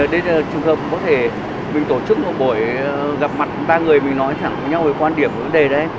đây là trường hợp có thể mình tổ chức một buổi gặp mặt ba người mình nói thẳng với nhau về quan điểm của vấn đề đấy